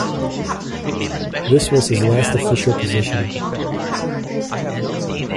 This was his last official position.